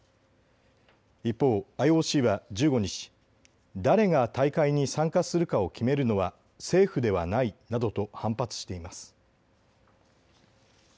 一方、ＩＯＣは１５日、誰が大会に参加するかを決めるのは政府ではないなどと反発しています。